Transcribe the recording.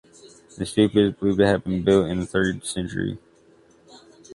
The stupa is believed to have been built in the third century.